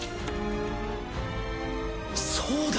そうだ！